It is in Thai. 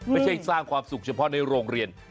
สร้างความสุขเฉพาะในโรงเรียน